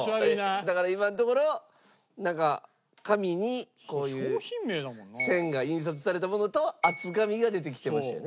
だから今のところなんか紙にこういう線が印刷されたものと厚紙が出てきてましたよね。